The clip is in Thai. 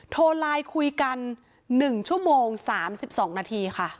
โทรไลน์คุยกัน๑ชั่วโมง๓๒นาทีค่ะ